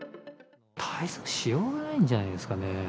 対策しようがないんじゃないですかね。